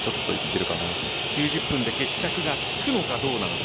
９０分で決着がつくのかどうなのか。